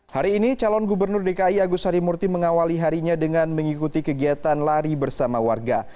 hari ini calon gubernur dki agus harimurti mengawali harinya dengan mengikuti kegiatan lari bersama warga